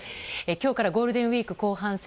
今日からゴールデンウィーク後半戦。